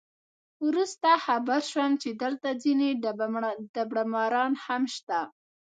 وروسته خبر شوم چې دلته ځینې دبړه ماران هم شته.